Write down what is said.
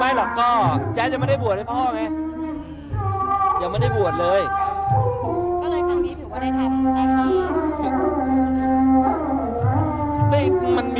ไม่หรอกก็แจ๊นยังไม่ได้บวชให้พ่อไง